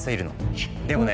でもね